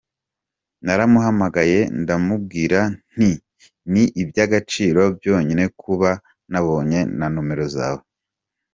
Naramuhamagaye ndamubwira nti ‘ni iby’agaciro byonyine kuba nabonye na nomero zawe.